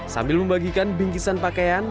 sambil membagikan bingkisan pakaian